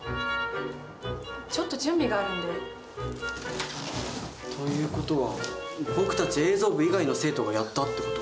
ちょっと準備があるんで。という事は僕たち映像部以外の生徒がやったって事？